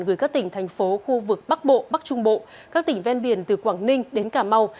gửi các tỉnh thành phố khu vực bắc bộ bắc trung bộ các tỉnh ven biển từ quảng ninh đến cà mau